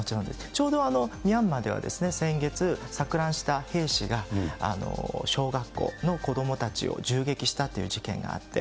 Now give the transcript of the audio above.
ちょうど、ミャンマーでは先月、錯乱した兵士が、小学校の子どもたちを銃撃したという事件があって。